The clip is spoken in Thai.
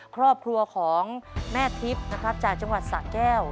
ครอบครัวของแม่ทริปจากจังหวัดสะแก้ว